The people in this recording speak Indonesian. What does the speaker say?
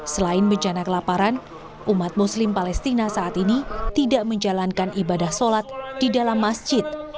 selain bencana kelaparan umat muslim palestina saat ini tidak menjalankan ibadah sholat di dalam masjid